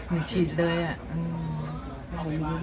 นี่ฉีดเลยอะ